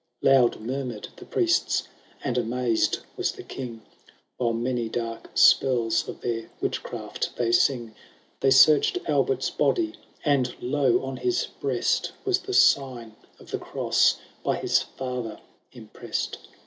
Loud murmured the priests, and amazed was the king, While many dark spells of their witchcraft they sing; They searched Albert's body, and lo ! on his breast Was the sign of the Cross, by his father impressed.